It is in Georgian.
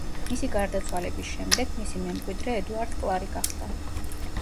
მისი გარდაცვალების შემდეგ მისი მემკვიდრე ედუარდ კლარი გახდა.